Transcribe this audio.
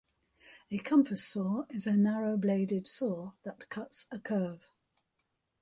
A compass saw is a narrow-bladed saw that cuts a curve.